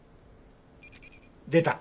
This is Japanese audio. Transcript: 出た。